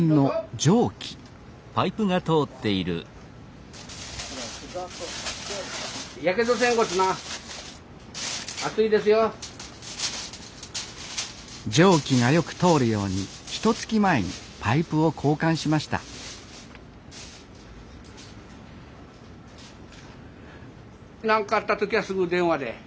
蒸気がよく通るようにひとつき前にパイプを交換しました何かあった時はすぐ電話で「